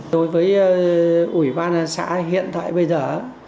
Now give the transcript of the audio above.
đối với ủy ban xã hiện tại bây giờ